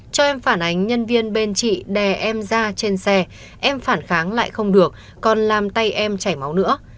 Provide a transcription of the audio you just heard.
cho em phản ánh nhân viên bên chị đè em ra trên xe em phản kháng lại không được còn làm tay em chảy máu nữa